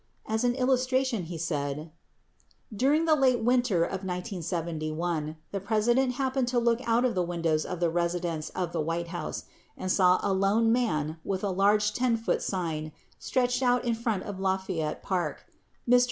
As an illustration he said :... [DJuring the late winter of 1971 ... the President happened to look out of the windows of the residence of the White House and saw a lone man with a large 10 foot sign stretched out in front of Lafayette Park. Mr.